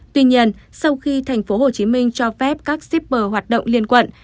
tuy nhiên sau khi tp hcm cho phép các shipper hoạt động liên quận